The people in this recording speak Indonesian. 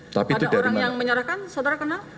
ada orang yang menyerahkan saudara kenal